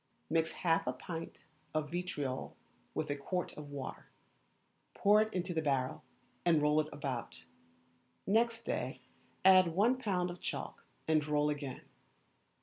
Mix half a pint of vitriol with a quart of water, pour it into the barrel, and roll it about; next day add one pound of chalk, and roll again.